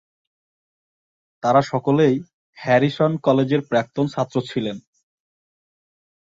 তারা সকলেই হ্যারিসন কলেজের প্রাক্তন ছাত্র ছিলেন।